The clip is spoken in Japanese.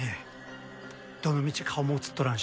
どのみち顔も映っとらんしな。